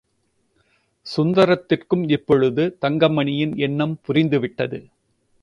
சுந்தரத்திற்கும் இப்பொழுது தங்கமணியின் எண்ணம் புரிந்துவிட்டது.